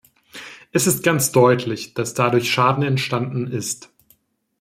Es ist ganz deutlich, dass dadurch Schaden entstanden ist.